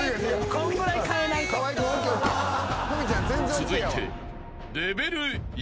［続いて］